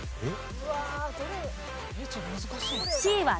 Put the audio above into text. えっ？